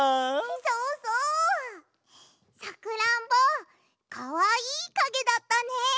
そうそう！さくらんぼかわいいかげだったね。